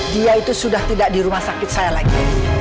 dia itu sudah tidak di rumah sakit saya lagi